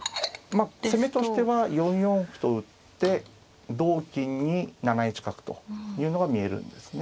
攻めとしては４四歩と打って同金に７一角というのが見えるんですね。